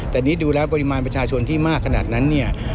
แต่นี่ดูแล้วปริมาณประชาชนที่มากขนาดนั้นเนี่ย